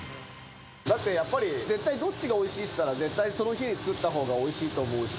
だってやっぱり、絶対どっちがおいしいっていったら、絶対その日に作ったほうがおいしいと思うし。